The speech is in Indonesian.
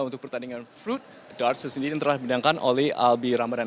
untuk pertandingan fruit darts yang telah dibenarkan oleh alby ramadhan